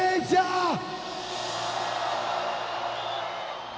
tidak ada yang bisa tersenyum